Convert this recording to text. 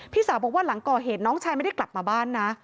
สาวบอกว่าหลังก่อเหตุน้องชายไม่ได้กลับมาบ้านนะ